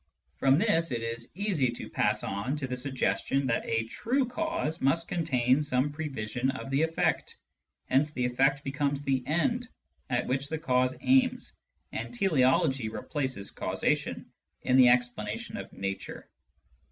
From this it is easy to pass on to the suggestion that a "true" cause must contain some prevision of the efFect ; hence the efFect becomes the " end " at which the cause aims, and tele ology replaces causation in the explanation of nature.